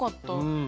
うん。